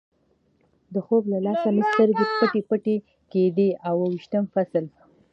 د خوب له لاسه مې سترګې پټې پټې کېدې، اوه ویشتم فصل.